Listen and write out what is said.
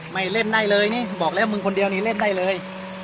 เล่นได้เลยนี่บอกแล้วมึงคนเดียวนี่เล่นได้เลย